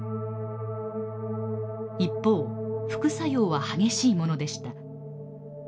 一方副作用は激しいものでした。